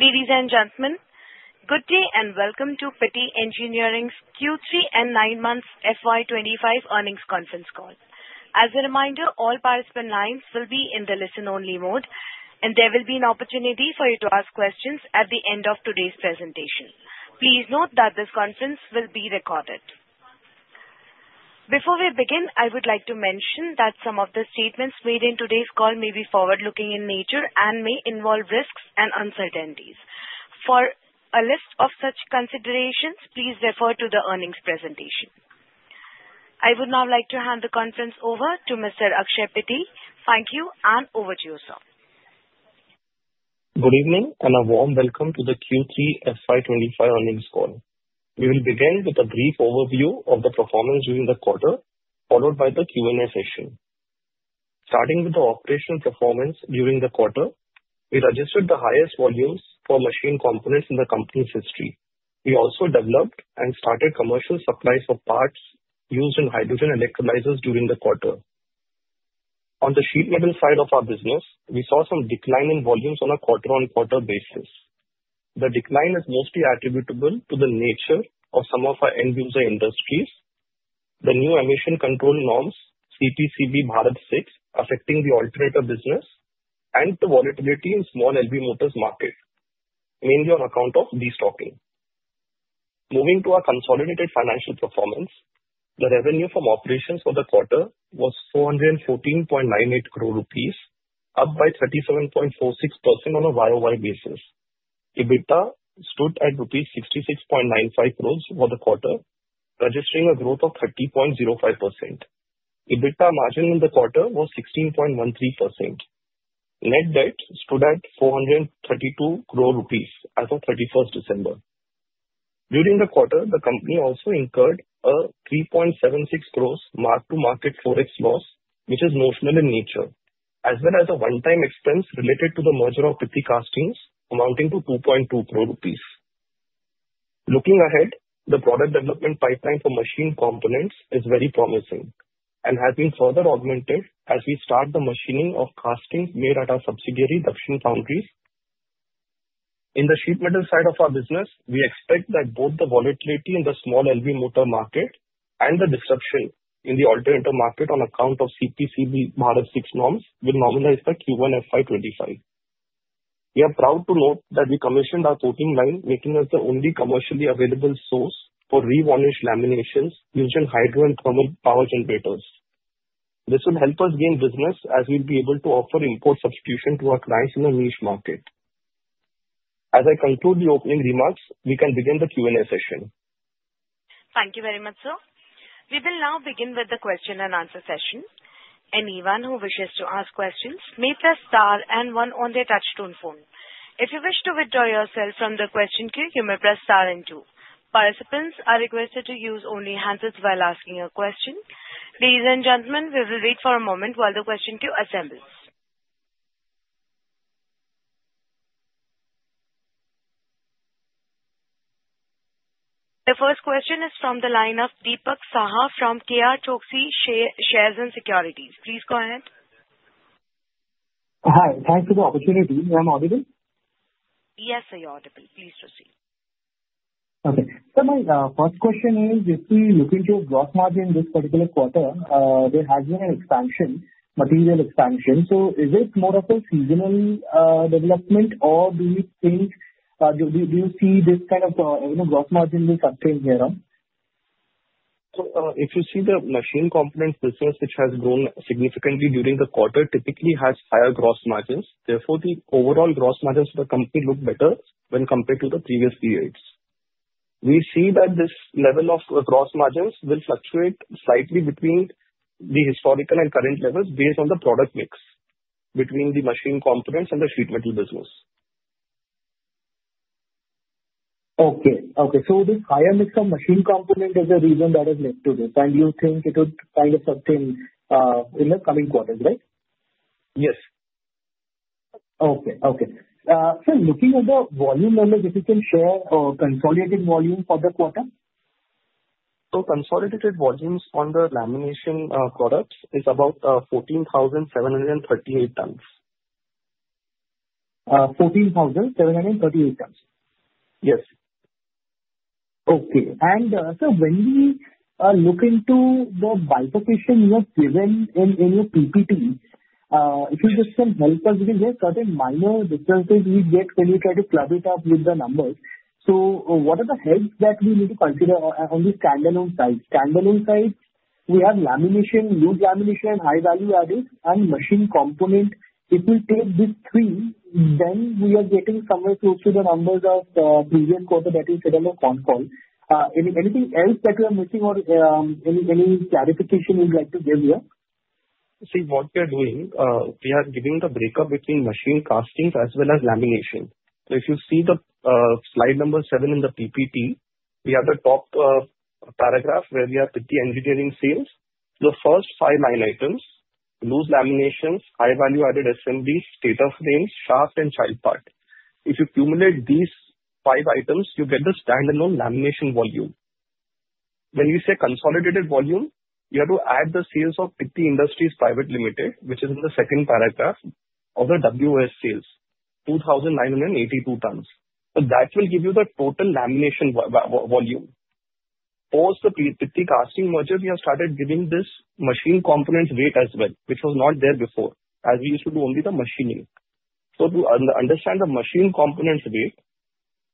Ladies and gentlemen, good day and welcome to Pitti Engineering's Q3 and 9-month FY25 Earnings Conference Call. As a reminder, all participant lines will be in the listen-only mode, and there will be an opportunity for you to ask questions at the end of today's presentation. Please note that this conference will be recorded. Before we begin, I would like to mention that some of the statements made in today's call may be forward-looking in nature and may involve risks and uncertainties. For a list of such considerations, please refer to the earnings presentation. I would now like to hand the conference over to Mr. Akshay Pitti. Thank you, and over to you, sir. Good evening and a warm welcome to the Q3 FY25 earnings call. We will begin with a brief overview of the performance during the quarter, followed by the Q&A session. Starting with the operational performance during the quarter, we registered the highest volumes for machine components in the company's history. We also developed and started commercial supplies of parts used in hydrogen electrolyzers during the quarter. On the sheet metal side of our business, we saw some decline in volumes on a quarter-on-quarter basis. The decline is mostly attributable to the nature of some of our end-user industries, the new emission control norms, CPCB Bharat 6, affecting the alternator business, and the volatility in small LV motors market, mainly on account of destocking. Moving to our consolidated financial performance, the revenue from operations for the quarter was 414.98 crore rupees, up by 37.46% on a YoY basis. EBITDA stood at rupees 66.95 crore for the quarter, registering a growth of 30.05%. EBITDA margin in the quarter was 16.13%. Net debt stood at 432 crore rupees as of 31st December. During the quarter, the company also incurred a 3.76 crore mark-to-market forex loss, which is notional in nature, as well as a one-time expense related to the merger of Pitti Castings, amounting to 2.2 crore rupees. Looking ahead, the product development pipeline for machine components is very promising and has been further augmented as we start the machining of castings made at our subsidiary Dakshin Foundry. In the sheet metal side of our business, we expect that both the volatility in the small LV motor market and the disruption in the alternator market on account of CPCB Bharat 6 norms will normalize the Q1 FY25. We are proud to note that we commissioned our coating line, making us the only commercially available source for re-varnished laminations using hydro and thermal power generators. This will help us gain business as we'll be able to offer import substitution to our clients in a niche market. As I conclude the opening remarks, we can begin the Q&A session. Thank you very much, sir. We will now begin with the question and answer session. Anyone who wishes to ask questions may press star and one on their touch-tone phone. If you wish to withdraw yourself from the question queue, you may press star and two. Participants are requested to use only the handset while asking a question. Ladies and gentlemen, we will wait for a moment while the question queue assembles. The first question is from the line of Dipak Saha from KRChoksey Shares and Securities. Please go ahead. Hi, thanks for the opportunity. Am I audible? Yes, sir, you're audible. Please proceed. Okay, so my first question is, if we look into gross margin this particular quarter, there has been an expansion, material expansion. So is it more of a seasonal development, or do you think, do you see this kind of gross margin will continue here? So if you see the machine components business, which has grown significantly during the quarter, typically has higher gross margins. Therefore, the overall gross margins of the company look better when compared to the previous periods. We see that this level of gross margins will fluctuate slightly between the historical and current levels based on the product mix between the machine components and the sheet metal business. Okay. Okay. So this higher mix of machine component is the reason that has led to this. And you think it would kind of sustain in the coming quarters, right? Yes. Okay. So looking at the volume levels, if you can share a consolidated volume for the quarter? Consolidated volumes on the lamination products is about 14,738 tons. 14,738 tons. Yes. Okay. And so when we look into the bifurcation you have given in your PPT, if you just can help us with a certain minor differences we get when you try to club it up with the numbers. So what are the heads that we need to consider on the standalone sides? Standalone sides, we have lamination, loose lamination, and high value-added and machine component. If we take these three, then we are getting somewhere close to the numbers of the previous quarter that you said on the phone call. Anything else that we are missing or any clarification you'd like to give here? See, what we are doing, we are giving the breakup between machine castings as well as lamination. So if you see the slide number seven in the PPT, we have the top paragraph where we have Pitti Engineering Sales. The first five line items: loose laminations, high value-added assemblies, stator frames, shaft, and child part. If you cumulate these five items, you get the standalone lamination volume. When we say consolidated volume, you have to add the sales of Pitti Industries Private Limited, which is in the second paragraph of the WOS sales, 2,982 tons. So that will give you the total lamination volume. Post the Pitti Casting merger, we have started giving this machine components weight as well, which was not there before, as we used to do only the machining. So to understand the machine components weight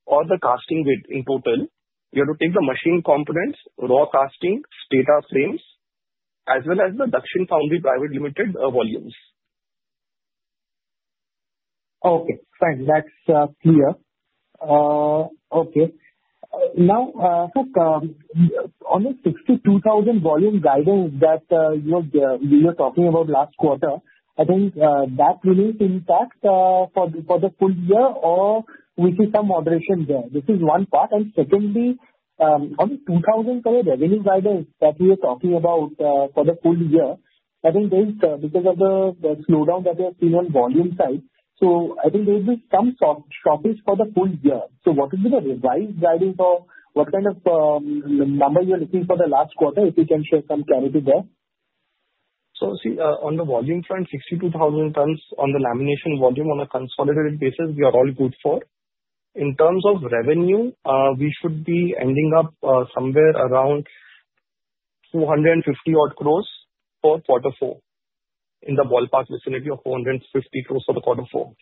or the casting weight in total, you have to take the machine components, raw casting, stator frames, as well as the Dakshin Foundry Private Limited volumes. Okay. Thanks. That's clear. Okay. Now, sir, on the 62,000 volume guidance that you were talking about last quarter, I think that will impact for the full year, or we see some moderation there? This is one part. And secondly, on the 2,000 revenue guidance that we are talking about for the full year, I think because of the slowdown that we have seen on volume side, so I think there will be some shortage for the full year. So what would be the revised guidance or what kind of number you are looking for the last quarter, if you can share some clarity there? So see, on the volume front, 62,000 tons on the lamination volume on a consolidated basis, we are all good for. In terms of revenue, we should be ending up somewhere around 450-odd crores for Q4 in the ballpark vicinity of 450 crores for Q4.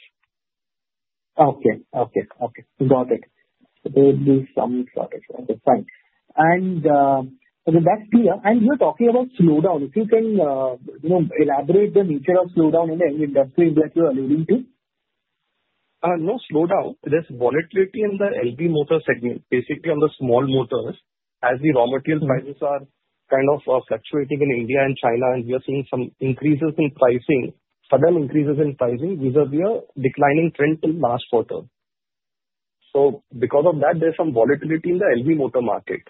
Okay. Okay. Okay. Got it. So there will be some shortage. Okay. Fine. And that's clear. And you're talking about slowdown. If you can elaborate the nature of slowdown in the industry that you're alluding to? No slowdown. There's volatility in the LV motor segment, basically on the small motors, as the raw material prices are kind of fluctuating in India and China, and we are seeing some increases in pricing, sudden increases in pricing, vis-à-vis a declining trend till last quarter. So because of that, there's some volatility in the LV motor market.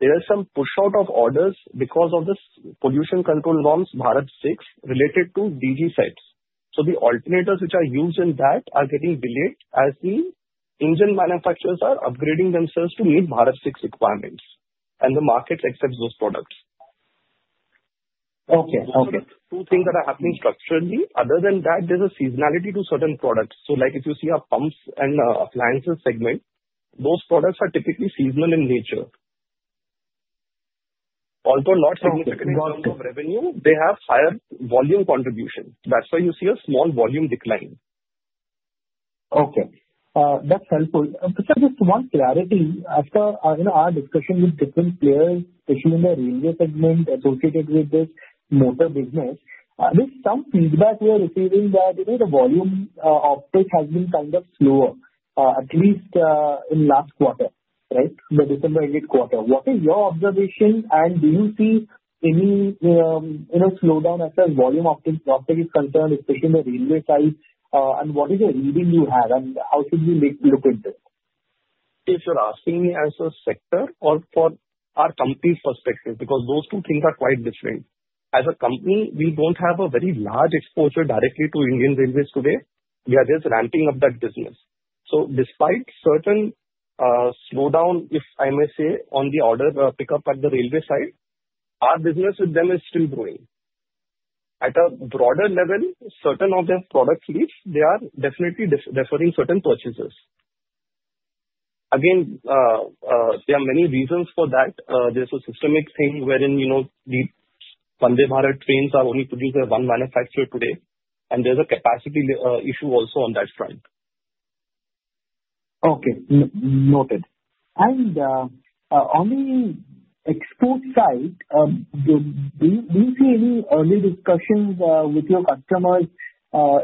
There is some push-out of orders because of the pollution control norms, Bharat 6, related to DG sets. So the alternators which are used in that are getting delayed as the engine manufacturers are upgrading themselves to meet Bharat 6 requirements, and the market accepts those products. Okay. Okay. So those are the two things that are happening structurally. Other than that, there's a seasonality to certain products. So if you see our pumps and appliances segment, those products are typically seasonal in nature. Although not significantly in terms of revenue, they have higher volume contribution. That's why you see a small volume decline. Okay. That's helpful. Just one clarity. After our discussion with different players, especially in the railway segment associated with this motor business, there's some feedback we are receiving that the volume uptake has been kind of slower, at least in last quarter, right, the December ended quarter. What is your observation, and do you see any slowdown as far as volume uptake is concerned, especially in the railway side, and what is the reading you have, and how should we look into it? If you're asking me as a sector or for our company's perspective, because those two things are quite different. As a company, we don't have a very large exposure directly to Indian Railways today. We are just ramping up that business. So despite certain slowdown, if I may say, on the order pickup at the railway side, our business with them is still growing. At a broader level, certain of their product fleets, they are definitely deferring certain purchases. Again, there are many reasons for that. There's a systemic thing wherein the Vande Bharat trains are only produced by one manufacturer today, and there's a capacity issue also on that front. Okay. Noted. And on the export side, do you see any early discussions with your customers,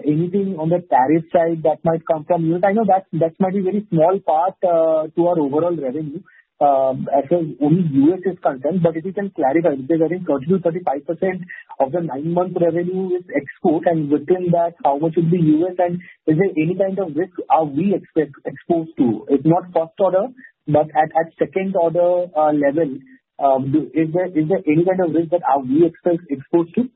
anything on the tariff side that might come from the US? I know that might be a very small part to our overall revenue as well as only U.S. is concerned, but if you can clarify, if they're getting 30%-35% of the nine-month revenue with export, and within that, how much would be U.S., and is there any kind of risk we are exposed to? It's not first order, but at second-order level, is there any kind of risk that we are exposed to?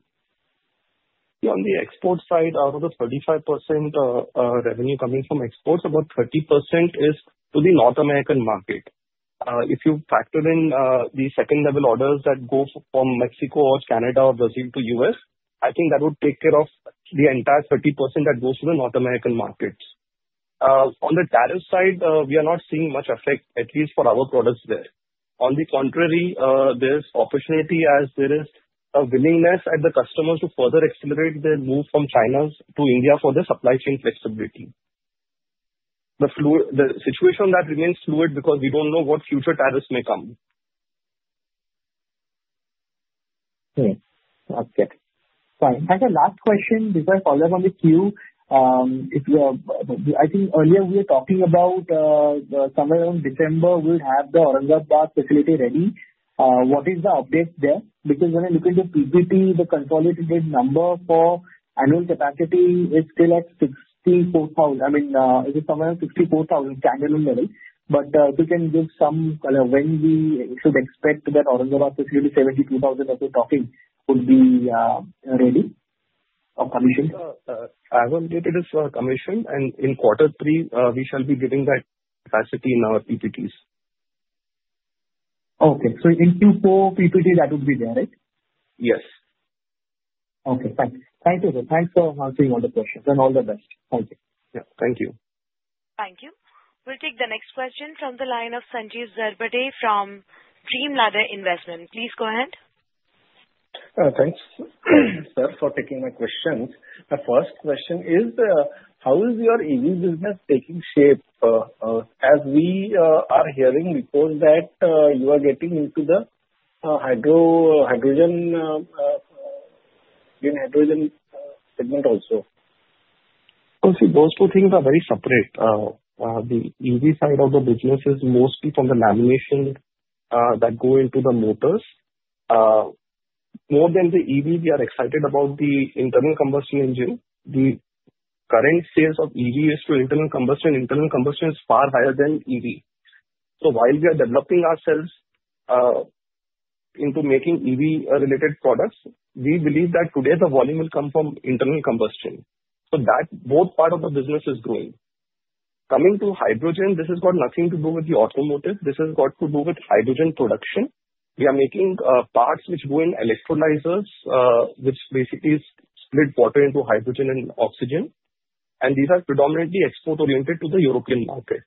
On the export side, out of the 35% revenue coming from exports, about 30% is to the North American market. If you factor in the second-level orders that go from Mexico or Canada or Brazil to U.S., I think that would take care of the entire 30% that goes to the North American markets. On the tariff side, we are not seeing much effect, at least for our products there. On the contrary, there's opportunity as there is a willingness at the customers to further accelerate their move from China to India for the supply chain flexibility. The situation remains fluid because we don't know what future tariffs may come. Okay. Okay. Fine. And the last question before I follow up on the queue, I think earlier we were talking about somewhere around December, we'll have the Aurangabad facility ready. What is the update there? Because when I look into PPT, the consolidated number for annual capacity is still at 64,000. I mean, it is somewhere around 64,000 standalone level. But if you can give some when we should expect that Aurangabad facility 72,000 that we're talking would be ready or commissioned? I will get it as commissioned, and in Q3, we shall be giving that capacity in our PPTs. Okay, so in Q4 PPT, that would be there, right? Yes. Okay. Thanks. Thank you, sir. Thanks for answering all the questions, and all the best. Thank you. Yeah. Thank you. Thank you. We'll take the next question from the line of Sanjeev Zarbade from DreamLadder Investment. Please go ahead. Thanks, sir, for taking my questions. My first question is, how is your EV business taking shape? As we are hearing before that you are getting into the hydrogen segment also. See, those two things are very separate. The EV side of the business is mostly from the lamination that go into the motors. More than the EV, we are excited about the internal combustion engine. The current sales of EV is to internal combustion. Internal combustion is far higher than EV. So while we are developing ourselves into making EV-related products, we believe that today the volume will come from internal combustion. So that both part of the business is growing. Coming to hydrogen, this has got nothing to do with the automotive. This has got to do with hydrogen production. We are making parts which go in electrolyzers, which basically split water into hydrogen and oxygen. And these are predominantly export-oriented to the European market.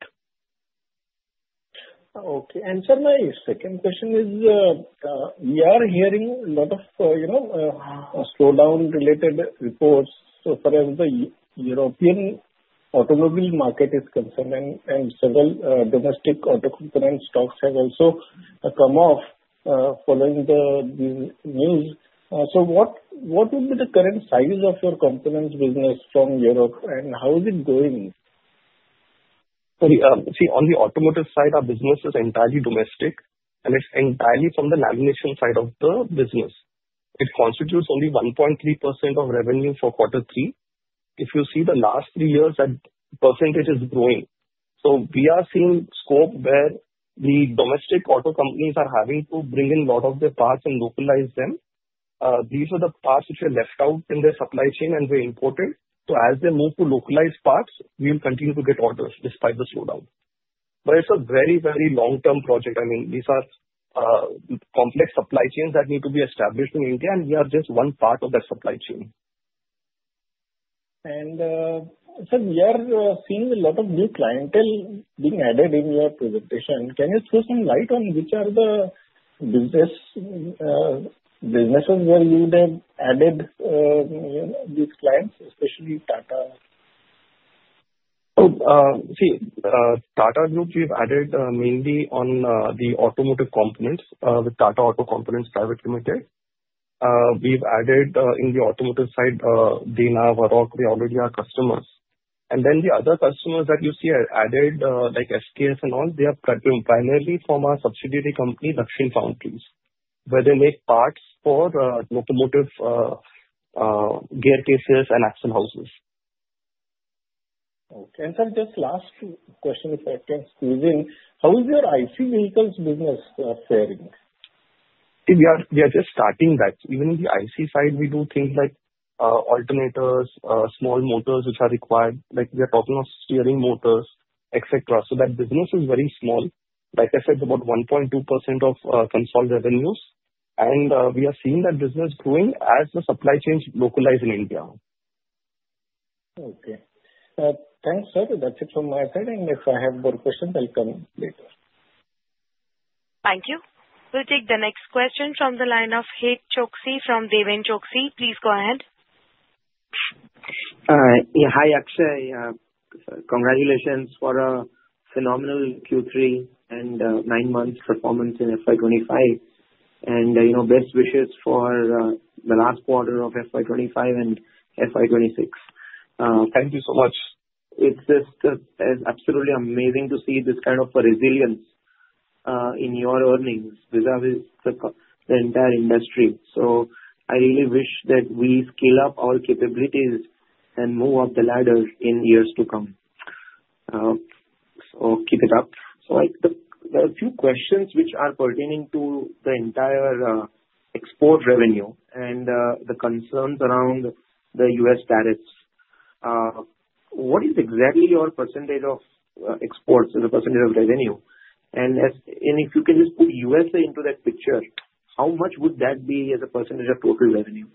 Okay. And sir, my second question is, we are hearing a lot of slowdown-related reports. So far as the European automobile market is concerned, and several domestic auto component stocks have also come off following the news. So what will be the current size of your components business from Europe, and how is it growing? See, on the automotive side, our business is entirely domestic, and it's entirely from the lamination side of the business. It constitutes only 1.3% of revenue for Q3. If you see the last three years, that percentage is growing. So we are seeing scope where the domestic auto companies are having to bring in a lot of their parts and localize them. These are the parts which are left out in their supply chain and they're imported. So as they move to localized parts, we'll continue to get orders despite the slowdown. But it's a very, very long-term project. I mean, these are complex supply chains that need to be established in India, and we are just one part of that supply chain. Sir, we are seeing a lot of new clientele being added in your presentation. Can you throw some light on which are the businesses where you have added these clients, especially Tata? See, Tata Group, we've added mainly on the automotive components with Tata Auto Components Private Limited. We've added in the automotive side, Dana, Varroc, they already are customers. And then the other customers that you see are added, like SKS and all, they are primarily from our subsidiary company, Dakshin Foundry, where they make parts for locomotive gear cases and axle houses. Okay. And sir, just last question before I can squeeze in, how is your IC vehicles business faring? We are just starting that. Even in the IC side, we do things like alternators, small motors which are required. We are talking of steering motors, etc. So that business is very small. Like I said, about 1.2% of consolidated revenues. And we are seeing that business growing as the supply chains localize in India. Okay. Thanks, sir. That's it from my side, and if I have more questions, I'll come later. Thank you. We'll take the next question from the line of Het Choksey from DEVEN CHOKSEY. Please go ahead. Hi, Akshay. Congratulations for a phenomenal Q3 and nine-month performance in FY25. And best wishes for the last quarter of FY25 and FY26. Thank you so much. It's just absolutely amazing to see this kind of resilience in your earnings vis-à-vis the entire industry. So I really wish that we scale up our capabilities and move up the ladder in years to come. So keep it up. So there are a few questions which are pertaining to the entire export revenue and the concerns around the U.S. tariffs. What is exactly your percentage of exports as a percentage of revenue? And if you can just put U.S. into that picture, how much would that be as a percentage of total revenue?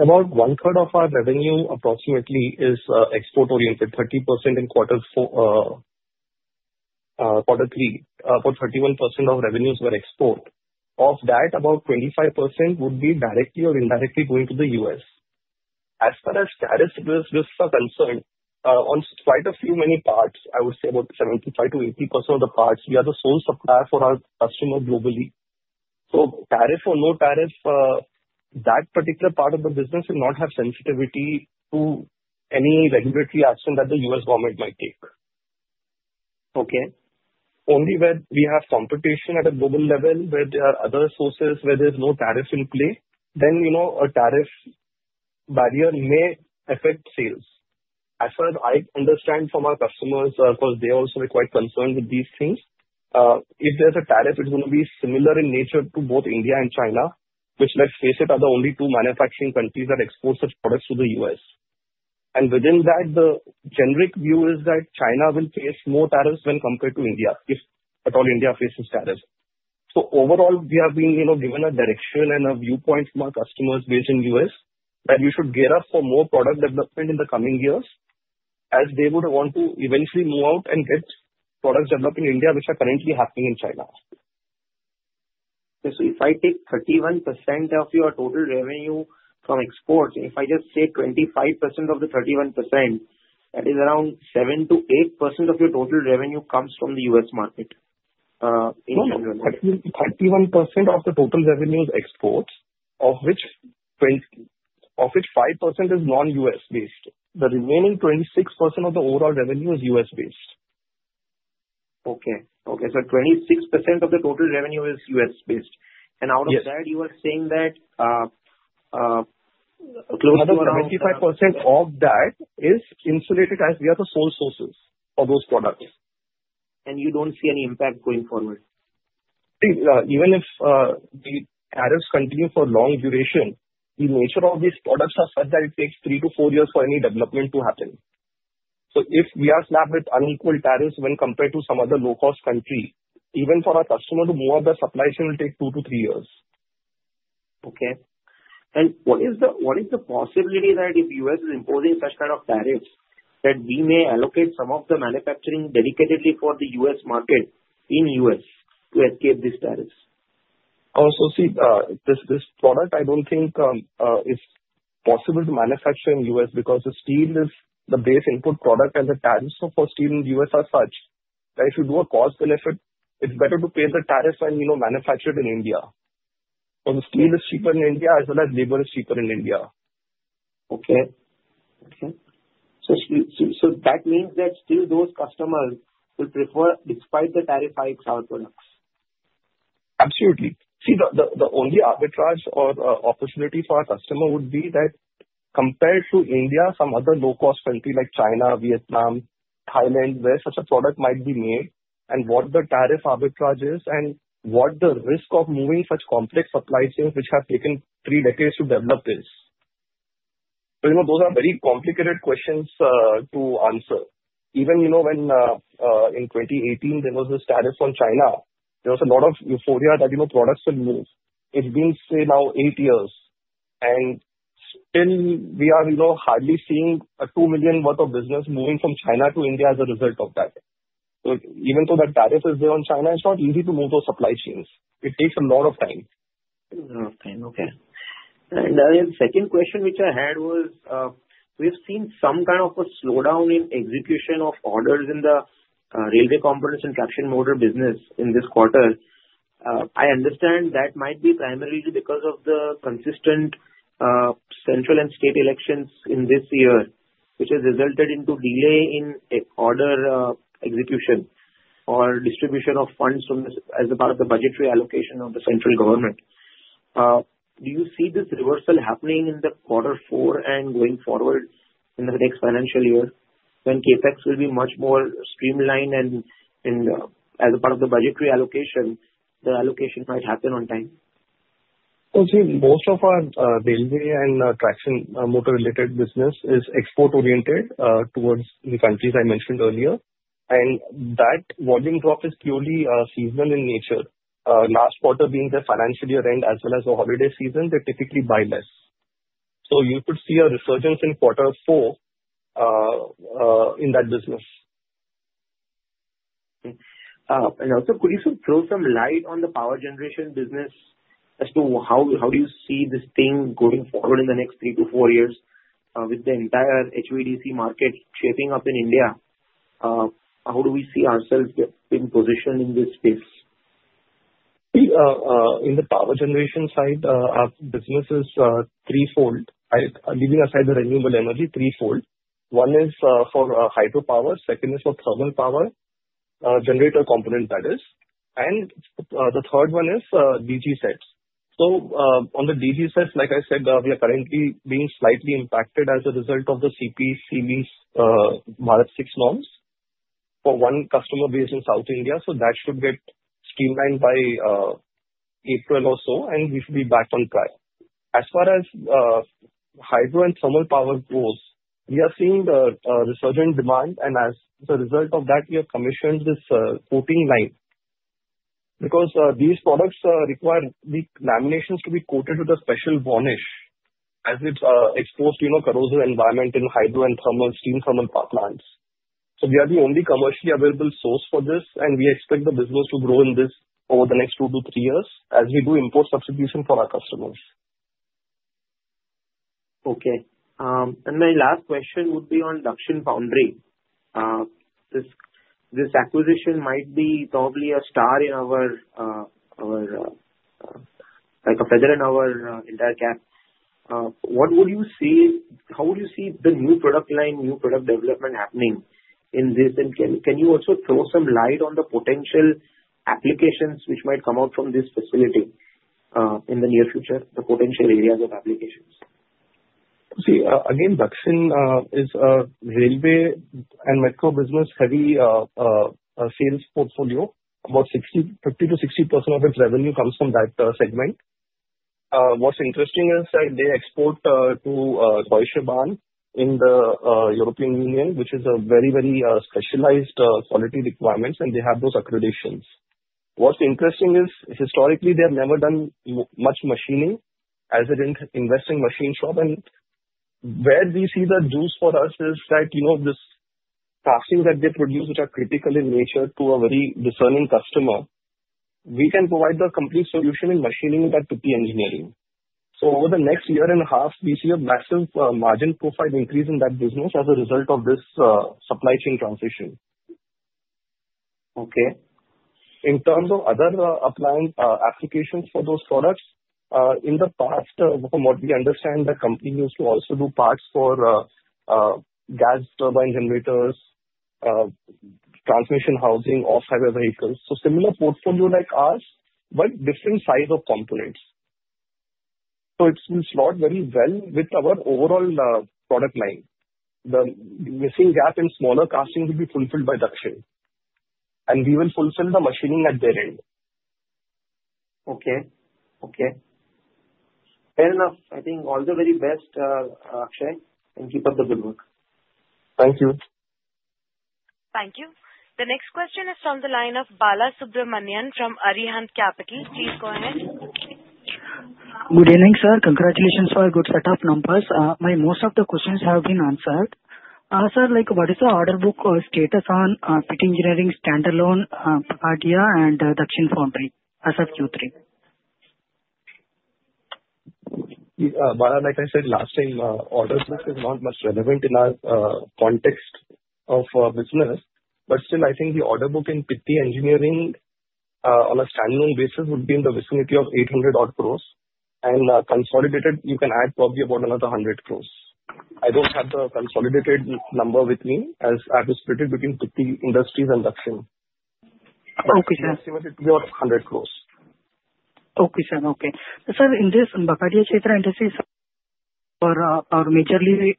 About one-third of our revenue approximately is export-oriented, 30% in Q#. About 31% of revenues were export. Of that, about 25% would be directly or indirectly going to the U.S. As far as tariffs are concerned, on quite a few many parts, I would say about 75%-80% of the parts, we are the sole supplier for our customers globally. So tariff or no tariff, that particular part of the business will not have sensitivity to any regulatory action that the U.S. government might take. Okay. Only when we have competition at a global level where there are other sources where there's no tariff in play, then a tariff barrier may affect sales. As far as I understand from our customers, of course, they also are quite concerned with these things. If there's a tariff, it's going to be similar in nature to both India and China, which, let's face it, are the only two manufacturing countries that export such products to the U.S. And within that, the generic view is that China will face more tariffs when compared to India, if at all India faces tariffs. So overall, we have been given a direction and a viewpoint from our customers based in the U.S. that we should gear up for more product development in the coming years as they would want to eventually move out and get products developed in India which are currently happening in China. So if I take 31% of your total revenue from exports, if I just take 25% of the 31%, that is around 7%-8% of your total revenue comes from the U.S. market in general. 31% of the total revenue is exports, of which 5% is non-U.S.-based. The remaining 26% of the overall revenue is U.S.-based. Okay. So 26% of the total revenue is U.S.-based. And out of that, you are saying that. Another 75% of that is insulated as we are the sole sources of those products. You don't see any impact going forward? Even if the tariffs continue for long duration, the nature of these products is such that it takes three to four years for any development to happen. So if we are slapped with unequal tariffs when compared to some other low-cost country, even for our customer to move out the supply chain will take two to three years. Okay. And what is the possibility that if the U.S. is imposing such kind of tariffs that we may allocate some of the manufacturing dedicatedly for the U.S. market in the U.S. to escape these tariffs? Also, see, this product, I don't think it's possible to manufacture in the U.S. because steel is the base input product and the tariffs for steel in the U.S. are such that if you do a cost benefit, it's better to pay the tariffs when manufactured in India. So the steel is cheaper in India as well as labor is cheaper in India. Okay. So that means that still those customers will prefer despite the tariff hikes, our products. Absolutely. See, the only arbitrage or opportunity for our customer would be that compared to India, some other low-cost country like China, Vietnam, Thailand, where such a product might be made, and what the tariff arbitrage is, and what the risk of moving such complex supply chains which have taken three decades to develop is. Those are very complicated questions to answer. Even when, in 2018, there was this tariff on China, there was a lot of euphoria that products would move. It's been, say, now eight years, and still we are hardly seeing $2 million worth of business moving from China to India as a result of that. So even though that tariff is there on China, it's not easy to move those supply chains. It takes a lot of time. A lot of time. Okay. And the second question which I had was, we've seen some kind of a slowdown in execution of orders in the railway components and traction motor business in this quarter. I understand that might be primarily because of the consistent central and state elections in this year, which has resulted in delay in order execution or distribution of funds as a part of the budgetary allocation of the central government. Do you see this reversal happening in the quarter four and going forward in the next financial year when CapEx will be much more streamlined and as a part of the budgetary allocation, the allocation might happen on time? See, most of our railway and traction motor-related business is export-oriented towards the countries I mentioned earlier. That volume drop is purely seasonal in nature. Last quarter being the financial year-end as well as the holiday season, they typically buy less. You could see a resurgence in Q4 in that business. And also, could you throw some light on the power generation business as to how do you see this thing going forward in the next three to four years with the entire HVDC market shaping up in India? How do we see ourselves being positioned in this space? In the power generation side, our business is threefold. Leaving aside the renewable energy, threefold. One is for hydropower. Second is for thermal power, generator component, that is. And the third one is DG sets. So on the DG sets, like I said, we are currently being slightly impacted as a result of the CPCB Bharat 6 norms for one customer based in South India. So that should get streamlined by April or so, and we should be back on track. As far as hydro and thermal power goes, we are seeing the resurgent demand, and as a result of that, we have commissioned this coating line because these products require the laminations to be coated with a special varnish as it's exposed to a corrosive environment in hydro and steam thermal plants. So we are the only commercially available source for this, and we expect the business to grow in this over the next two to three years as we do import substitution for our customers. Okay. My last question would be on Dakshin Foundry. This acquisition might be probably a feather in our cap. What would you see? How would you see the new product line, new product development happening in this? And can you also throw some light on the potential applications which might come out from this facility in the near future, the potential areas of applications? See, again, Dakshin is a railway and metro business-heavy sales portfolio. About 50%-60% of its revenue comes from that segment. What's interesting is that they export to Deutsche Bahn in the European Union, which is a very, very specialized quality requirement, and they have those accreditations. What's interesting is, historically, they have never done much machining as an in-house machine shop. And where we see the juice for us is that this casting that they produce, which are critical in nature to a very discerning customer, we can provide the complete solution in machining that to Pitti Engineering. So over the next year and a half, we see a massive margin profile increase in that business as a result of this supply chain transition. Okay. In terms of other applications for those products, in the past, from what we understand, the company used to also do parts for gas turbine generators, transmission housing, off-highway vehicles, so similar portfolio like ours, but different size of components, so it will slot very well with our overall product line. The missing gap in smaller casting will be fulfilled by Dakshin, and we will fulfill the machining at their end. Okay. Okay. Fair enough. I think all the very best, Akshay, and keep up the good work. Thank you. Thank you. The next question is from the line of Balasubramanian from Arihant Capital. Please go ahead. Good evening, sir. Congratulations for a good set of numbers. Most of the questions have been answered. Sir, what is the order book status on Pitti Engineering standalone, Pitti, and Dakshin Foundry as of Q3? Bala, like I said last time, order book is not much relevant in our context of business. But still, I think the order book in Pitti Engineering on a standalone basis would be in the vicinity of 800-odd crores. And consolidated, you can add probably about another 100 crores. I don't have the consolidated number with me as I have it split between Pitti Industries and Dakshin. Okay, sir. It would be about INR 100 crore. Sir, in this Bagadia Chaitra Industries, or majorly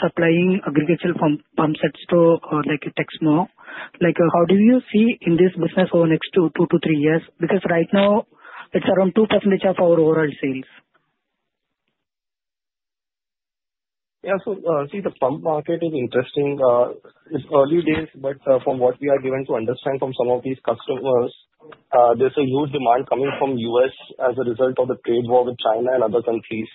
supplying agricultural pump sets to Texmo, how do you see in this business over next two to three years? Because right now, it's around 2% of our overall sales. Yeah. So see, the pump market is interesting. It's early days, but from what we are given to understand from some of these customers, there's a huge demand coming from the U.S. as a result of the trade war with China and other countries.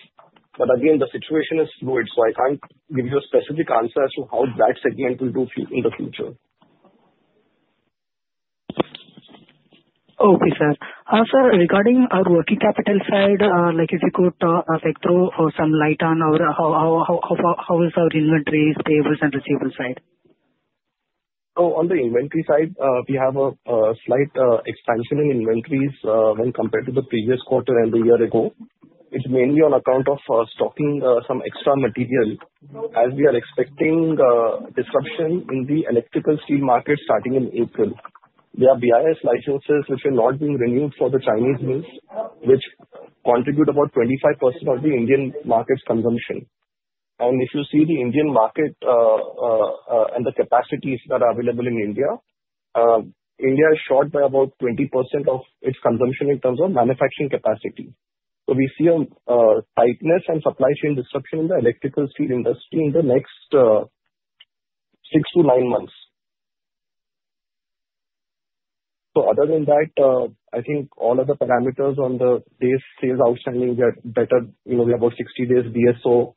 But again, the situation is fluid, so I can't give you a specific answer as to how that segment will do in the future. Okay, sir. Also, regarding our working capital side, if you could throw some light on how is our inventory stable on receivable side? Oh, on the inventory side, we have a slight expansion in inventories when compared to the previous quarter and the year ago. It's mainly on account of stocking some extra material as we are expecting disruption in the electrical steel market starting in April. There are BIS licenses which are not being renewed for the Chinese firms, which contribute about 25% of the Indian market's consumption. And if you see the Indian market and the capacities that are available in India, India is short by about 20% of its consumption in terms of manufacturing capacity. So we see a tightness and supply chain disruption in the electrical steel industry in the next six to nine months. So other than that, I think all of the parameters on the days sales outstanding get better. We have about 60 days DSO.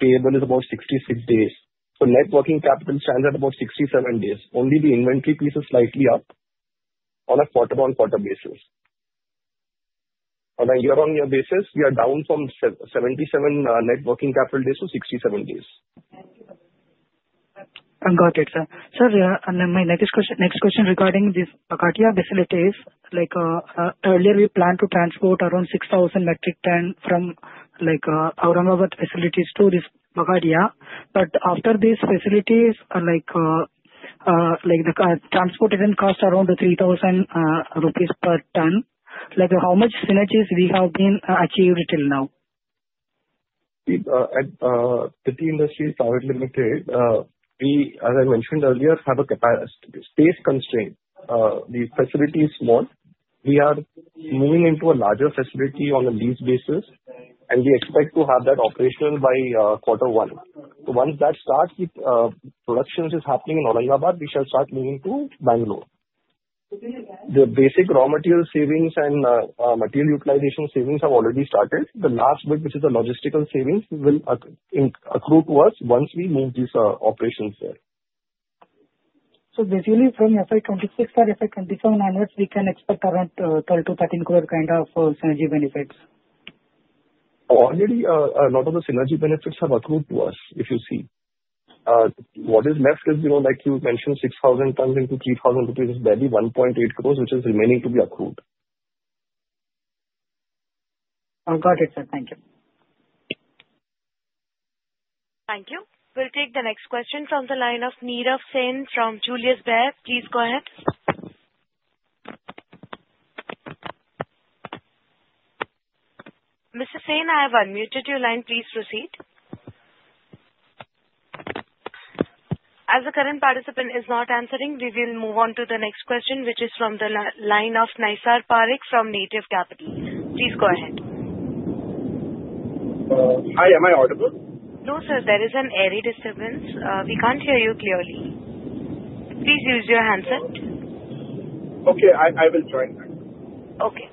Payables are about 66 days. So net working capital stands at about 67 days. Only the inventory piece is slightly up on a quarter-on-quarter basis. On a year-on-year basis, we are down from 77 net working capital days to 67 days. I got it, sir. Sir, my next question regarding this Bagadia facility is, earlier, we planned to transport around 6,000 metric tons from Aurangabad facilities to this Bagadia. But after these facilities, the transportation costs around 3,000 rupees per ton. How much synergies we have been achieving till now? Pitti Industries Private Limited, as I mentioned earlier, have a space constraint. The facility is small. We are moving into a larger facility on a lease basis, and we expect to have that operational by Q1. So once that starts, production is happening in Aurangabad, we shall start moving to Bangalore. The basic raw material savings and material utilization savings have already started. The last bit, which is the logistical savings, will accrue to us once we move these operations there. So basically, from FY26 or FY27 onwards, we can expect around 12-13 crore kind of synergy benefits? Already, a lot of the synergy benefits have accrued to us, if you see. What is left is, like you mentioned, 6,000 tons into 3,000 rupees is barely 1.8 crores, which is remaining to be accrued. I got it, sir. Thank you. Thank you. We'll take the next question from the line of Nirav Sen from Julius Baer. Please go ahead. Mr. Sen, I have unmuted your line. Please proceed. As the current participant is not answering, we will move on to the next question, which is from the line of Naysar Parikh from Native Capital. Please go ahead. Hi. Am I audible? No, sir. There is an audio disturbance. We can't hear you clearly. Please use your handset. Okay. I will join back. Okay.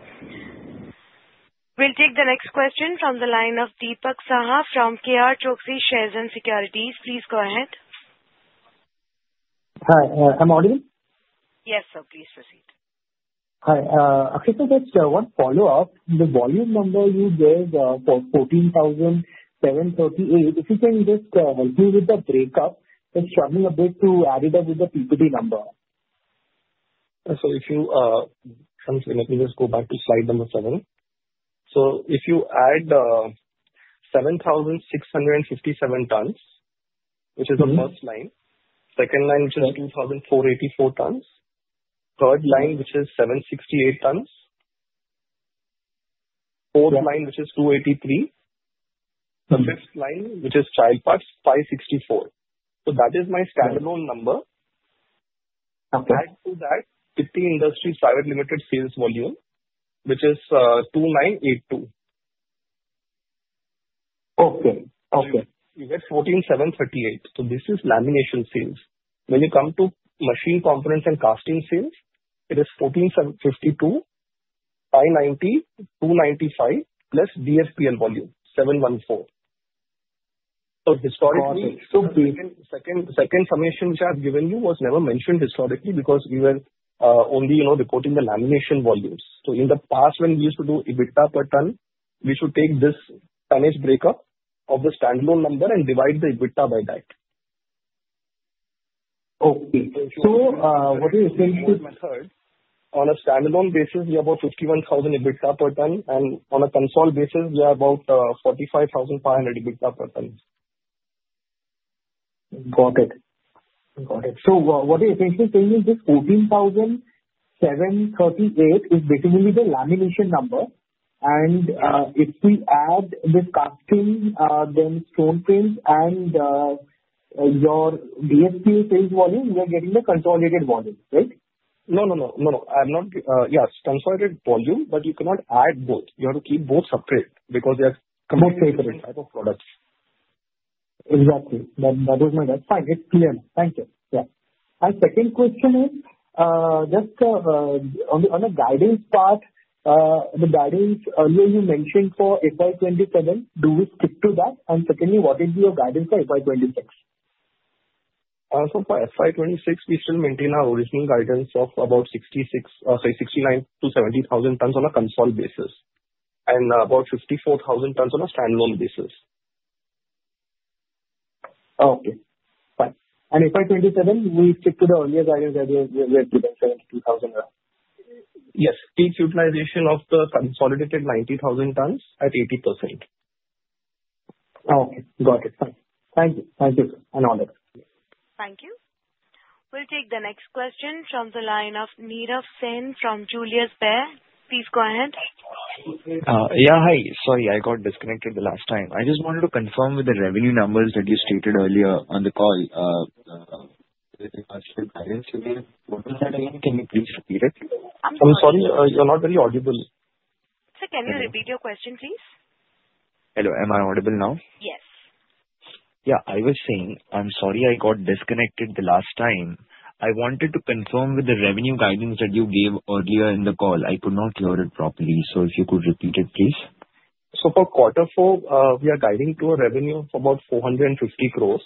We'll take the next question from the line of Dipak Saha from KRChoksey Shares and Securities. Please go ahead. Hi. Am I audible? Yes, sir. Please proceed. Hi. Actually, just one follow-up. The volume number you gave for 14,738, if you can just help me with the breakup, it's struggling a bit to add it up with the PPT number. So if you let me just go back to slide number seven. So if you add 7,657 tons, which is the first line. Second line, which is 2,484 tons. Third line, which is 768 tons. Fourth line, which is 283. The fifth line, which is child parts, 564. So that is my standalone number. Add to that Pitti Industries Private Limited sales volume, which is 2,982. Okay. Okay. You get 14,738, so this is lamination sales. When you come to machine components and casting sales, it is 14,752, 590, 295, plus DFPL volume, 714, so historically, second summation which I have given you was never mentioned historically because we were only reporting the lamination volumes, so in the past, when we used to do EBITDA per ton, we should take this tonnage breakup of the standalone number and divide the EBITDA by that. Okay. So what is the method? On a standalone basis, we are about 51,000 EBITDA per ton. On a consolidated basis, we are about 45,500 EBITDA per ton. Got it. Got it. So what do you think is changing? This 14,738 is basically the lamination number. And if we add the casting, then stamped parts, and your DFPL sales volume, we are getting the consolidated volume, right? No, no, no. No, no. Yes, consolidated volume, but you cannot add both. You have to keep both separate because they are consolidated type of products. Exactly. That is my guess. Fine. It's clear. Thank you. Yeah. And second question is, just on the guidance part, the guidance earlier you mentioned for FY27. Do we stick to that? And secondly, what is your guidance for FY26? For FY26, we still maintain our original guidance of about 66,000, sorry, 69,000-70,000 tons on a consolidated basis, and about 54,000 tons on a standalone basis. Okay. Fine. And FY27, we stick to the earlier guidance that we have given, 72,000? Yes. Peak utilization of the consolidated 90,000 tons at 80%. Okay. Got it. Thank you. Thank you, sir, and all that. Thank you. We'll take the next question from the line of Nirav Sen from Julius Baer. Please go ahead. Yeah. Hi. Sorry, I got disconnected the last time. I just wanted to confirm with the revenue numbers that you stated earlier on the call, the guidance you gave. What was that again? Can you please repeat it? I'm sorry. You're not very audible. Sir, can you repeat your question, please? Hello. Am I audible now? Yes. Yeah. I was saying, I'm sorry, I got disconnected the last time. I wanted to confirm with the revenue guidance that you gave earlier in the call. I could not hear it properly. So if you could repeat it, please. For Q4, we are guiding to a revenue of about 450 crores.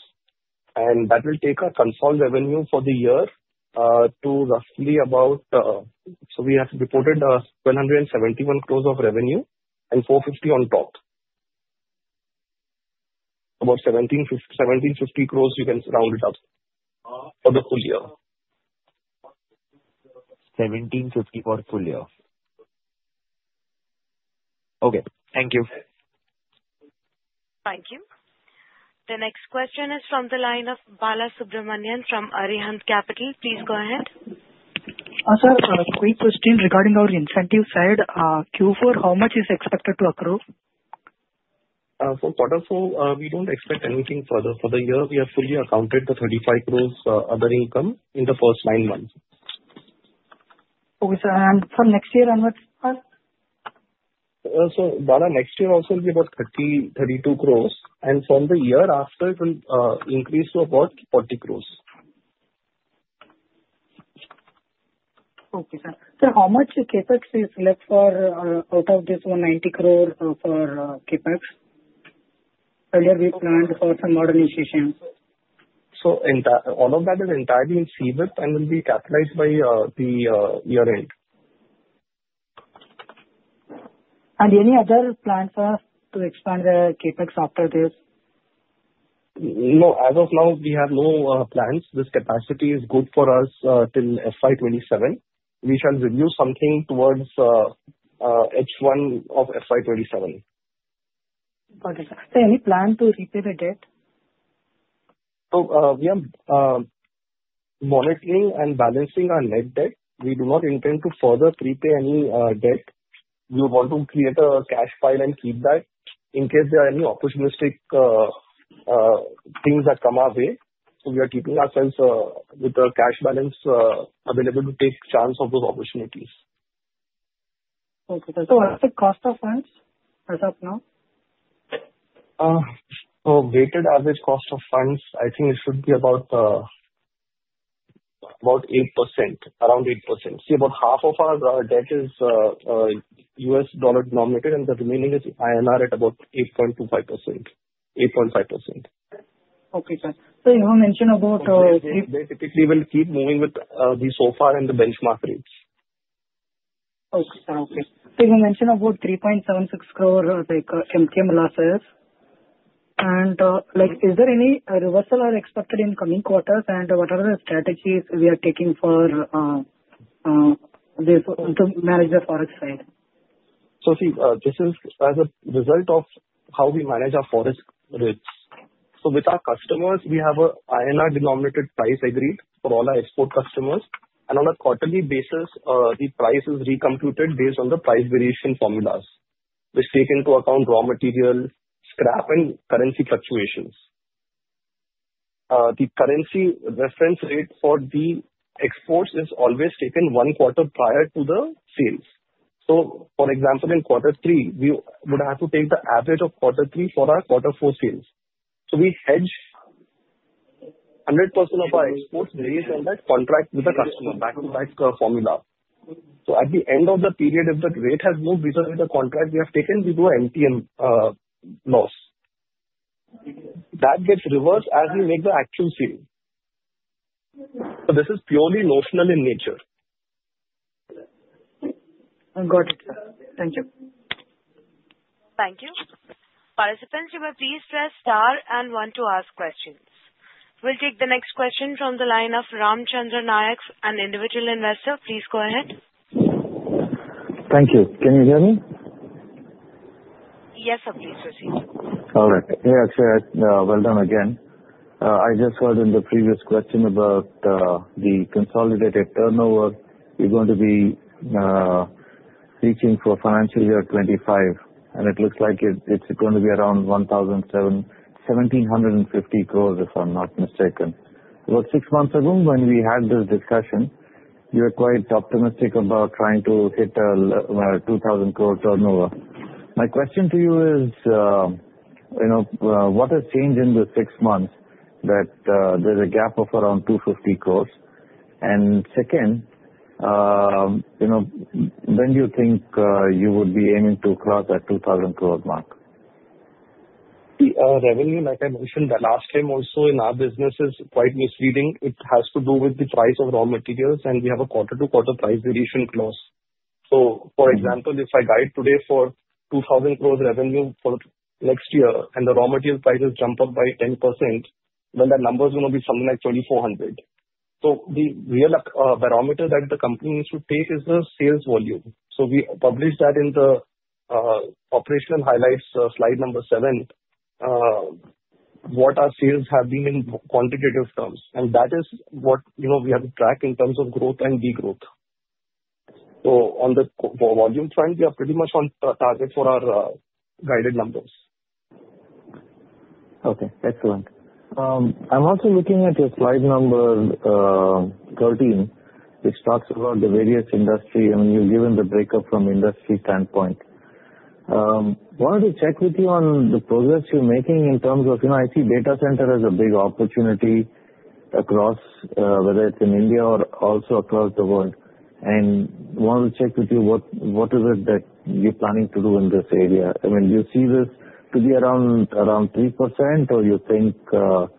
That will take our consolidated revenue for the year to roughly about. We have reported 1,171 crores of revenue and 450 on top. About 1,750 crores, you can round it up for the full year. 1,750 for the full year. Okay. Thank you. Thank you. The next question is from the line of Balasubramanian from Arihant Capital. Please go ahead. Sir, quick question regarding our incentive side. Q4, how much is expected to accrue? For Q4 we don't expect anything further. For the year, we have fully accounted the 35 crore other income in the first nine months. Okay. And from next year onwards, sir? So Bala, next year also will be about 32 crores. And from the year after, it will increase to about 40 crores. Okay, sir. So how much CapEx is left out of this 190 crore for CapEx? Earlier, we planned for some modernization. All of that is entirely in CWIP and will be capitalized by the year-end. Any other plans to expand the CapEx after this? No. As of now, we have no plans. This capacity is good for us till FY27. We shall review something towards H1 of FY27. Got it, sir. So any plan to repay the debt? So we are monitoring and balancing our net debt. We do not intend to further prepay any debt. We want to create a cash pile and keep that in case there are any opportunistic things that come our way. So we are keeping ourselves with the cash balance available to take chance of those opportunities. Okay. So what's the cost of funds as of now? So weighted average cost of funds, I think it should be about 8%, around 8%. See, about half of our debt is U.S. dollar denominated, and the remaining is INR at about 8.25%-8.5%. Okay, sir. So you have mentioned about. They typically will keep moving with the SOFR and the benchmark rates. Okay. So you mentioned about 3.76 crore MTM losses. And is there any reversal expected in coming quarters? And what are the strategies we are taking for this to manage the forex side? So see, this is as a result of how we manage our forex rates. So with our customers, we have an INR denominated price agreed for all our export customers. And on a quarterly basis, the price is recomputed based on the price variation formulas, which take into account raw material, scrap, and currency fluctuations. The currency reference rate for the exports is always taken one quarter prior to the sales. So for example, in Q3, we would have to take the average of Q3 for our Q4 sales. So we hedge 100% of our exports based on that contract with the customer, back-to-back formula. So at the end of the period, if the rate has moved with the contract we have taken, we do MTM loss. That gets reversed as we make the actual sale. So this is purely notional in nature. Got it, sir. Thank you. Thank you. Participants, you may please press star and one to ask questions. We'll take the next question from the line of Ram Chandra Nayak, an Individual Investor. Please go ahead. Thank you. Can you hear me? Yes, sir. Please proceed. All right. Hey, Akshay. Well done again. I just heard in the previous question about the consolidated turnover. You're going to be reaching for financial year 25. And it looks like it's going to be around 1,750 crores, if I'm not mistaken. About six months ago, when we had this discussion, you were quite optimistic about trying to hit a 2,000 crore turnover. My question to you is, what has changed in the six months that there's a gap of around 250 crores? And second, when do you think you would be aiming to cross that 2,000 crore mark? See, revenue, like I mentioned the last time also, in our business is quite misleading. It has to do with the price of raw materials, and we have a quarter-to-quarter price variation clause. So for example, if I guide today for 2,000 crores revenue for next year and the raw material prices jump up by 10%, then that number is going to be something like 2,400 crore. So the real barometer that the company needs to take is the sales volume. So we published that in the operational highlights, slide number seven, what our sales have been in quantitative terms, and that is what we have to track in terms of growth and degrowth, so on the volume front, we are pretty much on target for our guided numbers. Okay. Excellent. I'm also looking at your slide number 13, which talks about the various industry, and you've given the breakup from industry standpoint. I wanted to check with you on the progress you're making in terms of I see data center as a big opportunity across, whether it's in India or also across the world. And I wanted to check with you, what is it that you're planning to do in this area? I mean, do you see this to be around 3%, or do you think the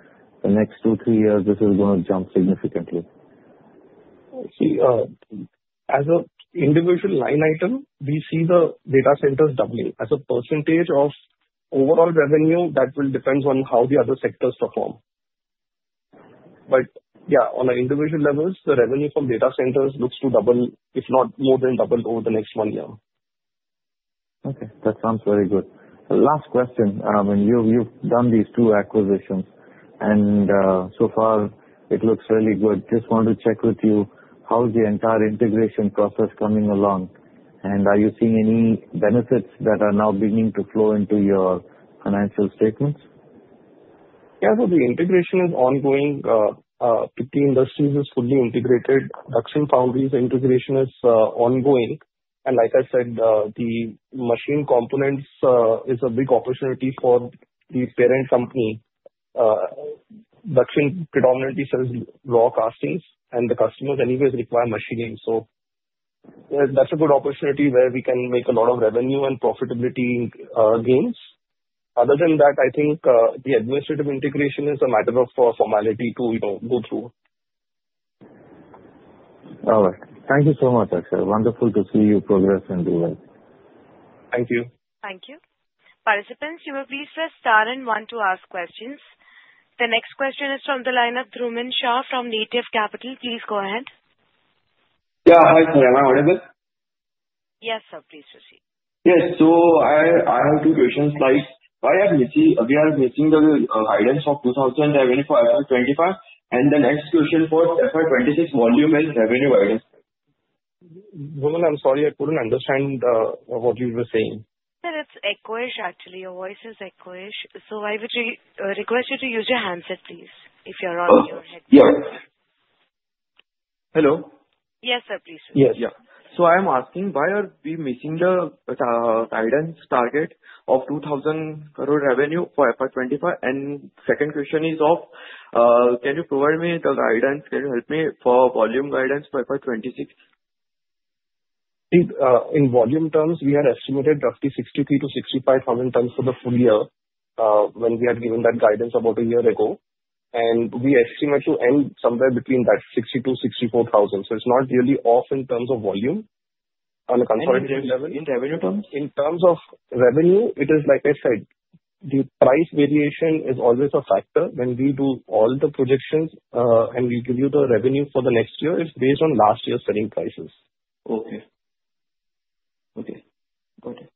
next two, three years, this is going to jump significantly? See, as an individual line item, we see the data centers doubling as a percentage of overall revenue. That will depend on how the other sectors perform. But yeah, on an individual level, the revenue from data centers looks to double, if not more than double, over the next one year. Okay. That sounds very good. Last question. You've done these two acquisitions, and so far, it looks really good. Just wanted to check with you, how is the entire integration process coming along? And are you seeing any benefits that are now beginning to flow into your financial statements? Yeah. So the integration is ongoing. Pitti Industries is fully integrated. Dakshin Foundry's integration is ongoing. And like I said, the machine components is a big opportunity for the parent company. Dakshin predominantly sells raw castings, and the customers anyways require machining. So that's a good opportunity where we can make a lot of revenue and profitability gains. Other than that, I think the administrative integration is a matter of formality to go through. All right. Thank you so much, Akshay. Wonderful to see you progress in the way. Thank you. Thank you. Participants, you may please press star and one to ask questions. The next question is from the line of Dhrumin Shah from Native Capital. Please go ahead. Yeah. Hi, sir. Am I audible? Yes, sir. Please proceed. Yes. So I have two questions. We are missing the guidance of 2024 FY25, and the next question for FY26 volume and revenue guidance. Dhrumin, I'm sorry. I couldn't understand what you were saying. Sir, it's echoing, actually. Your voice is echoing. So I would request you to use your handset, please, if you're on your headset. Yes. Hello? Yes, sir. Please proceed. Yes. Yeah. So I am asking, why are we missing the guidance target of 2,000 crore revenue for FY25? And second question is, can you provide me the guidance? Can you help me for volume guidance for FY26? See, in volume terms, we had estimated roughly 63,000-65,000 tons for the full year when we had given that guidance about a year ago, and we estimate to end somewhere between that 60,000-64,000, so it's not really off in terms of volume on a consolidated level. In revenue terms? In terms of revenue, it is, like I said, the price variation is always a factor. When we do all the projections and we give you the revenue for the next year, it's based on last year's selling prices. Okay. Got it.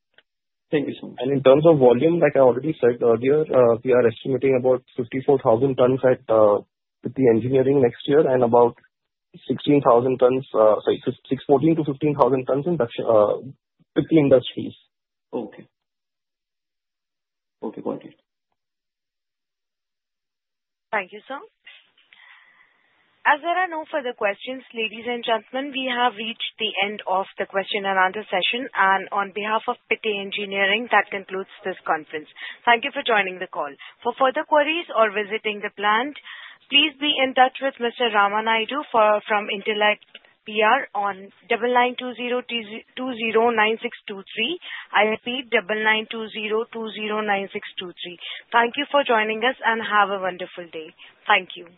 Thank you so much. In terms of volume, like I already said earlier, we are estimating about 54,000 tons with the engineering next year and about 16,000 tons, sorry, 14,000-15,000 tons with the industries. Okay. Okay. Got it. Thank you, sir. As there are no further questions, ladies and gentlemen, we have reached the end of the question and answer session. And on behalf of Pitti Engineering, that concludes this conference. Thank you for joining the call. For further queries or visiting the plant, please be in touch with Mr. Rama Naidu from Intellect PR on 9920209623. I repeat, 9920209623. Thank you for joining us, and have a wonderful day. Thank you.